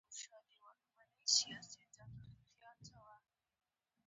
لوبډله دوه انینګونه لري.